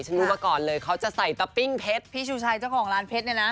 รู้มาก่อนเลยเขาจะใส่ตะปิ้งเพชรพี่ชูชัยเจ้าของร้านเพชรเนี่ยนะ